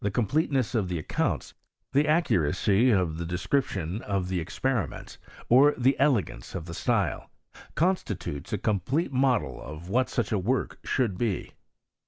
pkteness of the accounts, the accuracy of the de scription of the experiments, or the elegance of the style, constitutes a complete model of what such a work should be.